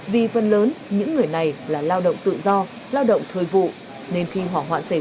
vì phần lớn những người này là lao động tự do lao động thời vụ nên khi hỏa hoạn xảy ra